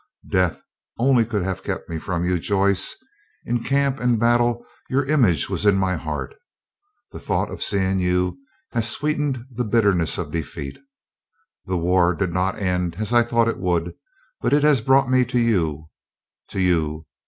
"Death only could have kept me from you, Joyce. In camp and battle your image was in my heart. The thought of seeing you has sweetened the bitterness of defeat. The war did not end as I thought it would, but it has brought me to you—to you.